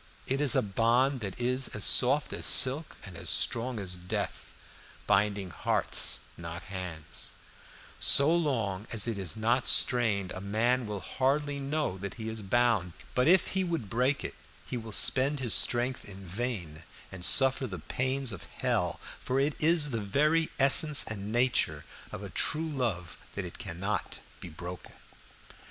It is a bond that is as soft as silk and as strong as death, binding hearts, not hands; so long as it is not strained a man will hardly know that he is bound, but if he would break it he will spend his strength in vain and suffer the pains of hell, for it is the very essence and nature of a true love that it cannot be broken.